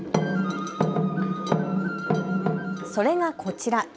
それがこちら。